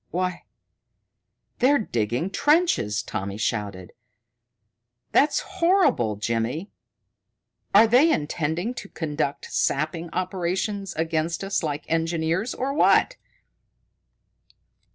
"Why, they're digging trenches!" Tommy shouted. "That's horrible, Jimmy! Are they intending to conduct sapping operations against us like engineers, or what?"